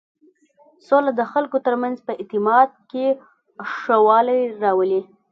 سوله د خلکو تر منځ په اعتماد کې ښه والی راولي.